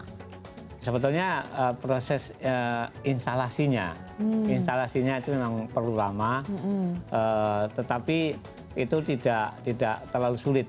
nah sebetulnya proses instalasinya instalasinya itu memang perlu lama tetapi itu tidak terlalu sulit